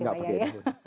tidak pakai daun